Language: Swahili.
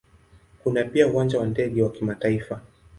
Kuna pia Uwanja wa ndege wa kimataifa.